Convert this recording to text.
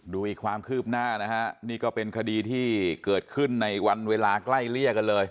ดูอีกความคืบหน้านะฮะนี่ก็เป็นคดีที่เกิดขึ้นในวันเวลาใกล้เลี่ยกันเลย